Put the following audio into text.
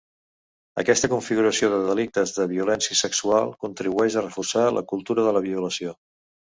Aquesta configuració de delictes de violència sexual contribueix a reforçar la cultura de la violació.